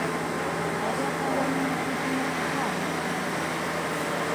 غیر عقلاني میتودونو غاړه ایښې ده